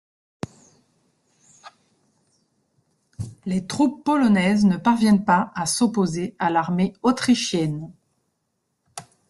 Les troupes polonaises ne parviennent pas à s'opposer à l’armée autrichienne.